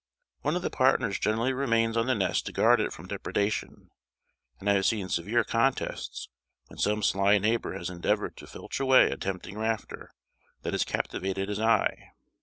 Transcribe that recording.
One of the partners generally remains on the nest to guard it from depredation; and I have seen severe contests when some sly neighbour has endeavoured to filch away a tempting rafter that has captivated his eye.